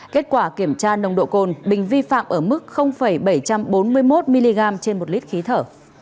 kết quả kiểm tra nồng độ cồn bình vi phạm ở mức bảy trăm bốn mươi một mg trên một lít khí thở